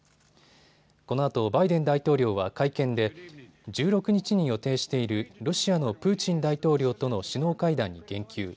このあとバイデン大統領は会見で１６日に予定しているロシアのプーチン大統領との首脳会談に言及。